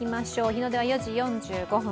日の出は４時４５分。